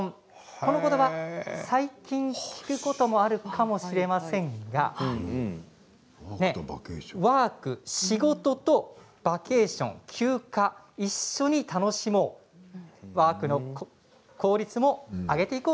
このことば、最近聞くこともあるかもしれませんがワーク・仕事とバケーション・休暇を一緒に楽しもうワークの効率を上げていこう